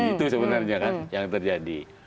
itu sebenarnya kan yang terjadi